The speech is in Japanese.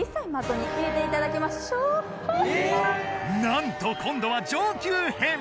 なんと今度は上級編。